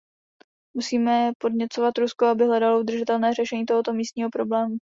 Musíme podněcovat Rusko, aby hledalo udržitelné řešení tohoto místního problému.